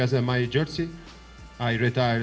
negara ini sebagai gairah saya